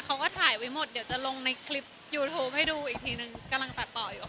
เขาก็ถ่ายไว้หมดเดี๋ยวจะลงในคลิปยูทูปให้ดูอีกทีนึงกำลังตัดต่ออยู่